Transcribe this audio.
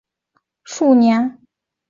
这种影响可能持续数月甚至数年之久。